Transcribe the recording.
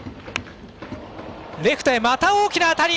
レフトへ、また大きな当たり！